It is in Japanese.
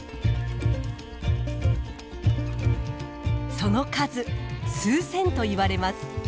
その数数千といわれます。